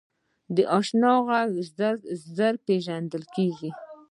د اشنا غږ ژر پیژندل کېږي